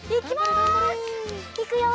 いくよ！